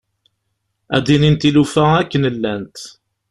Ad d-inin tilufa akken llant.